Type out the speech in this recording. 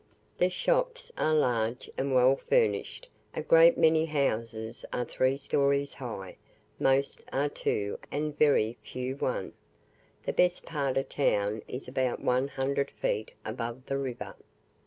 The shops are large and well furnished, a great many houses are three stories high, most are two, and very few one. The best part of town is about one hundred feet above the river.